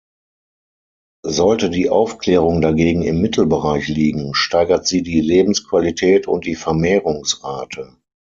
Sollte die Aufklärung dagegen im Mittelbereich liegen, steigert sie die Lebensqualität und die Vermehrungsrate.